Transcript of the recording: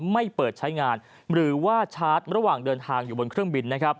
ไม่เปิดใช้งานหรือว่าชาร์จระหว่างเดินทางอยู่บนเครื่องบินนะครับ